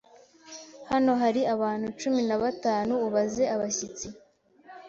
Hano hari abantu cumi na batanu, ubaze abashyitsi.